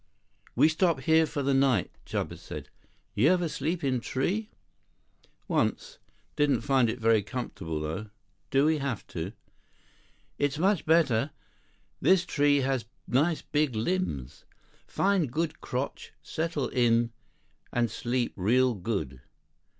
"We stop here for the night," Chuba said. "You ever sleep in a tree?" "Once. Didn't find it very comfortable though. Do we have to?" "Is much better. This tree has nice big limbs. Find good crotch, settle in it, and sleep real good.